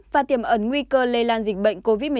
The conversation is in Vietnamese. và tiềm ẩn nguy cơ lây lan dịch bệnh covid một mươi chín